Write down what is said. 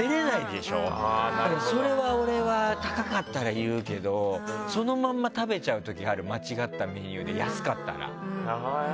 それは俺は高かったら言うけどそのまんま食べちゃうときある間違ったメニューで安かったら。